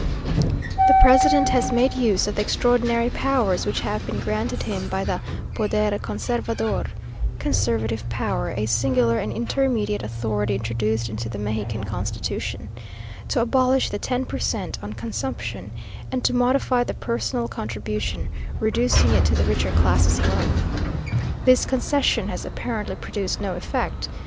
The president has made use of the extraordinary powers which have been granted him by the Poder Conservador (conservative power, a singular and intermediate authority introduced into the Mexican constitution), to abolish the ten per cent, on consumption, and to modify the personal contribution, reducing it to the richer classes alone. This concession has apparently produced no effect.